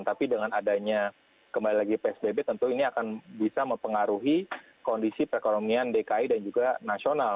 tapi dengan adanya kembali lagi psbb tentu ini akan bisa mempengaruhi kondisi perekonomian dki dan juga nasional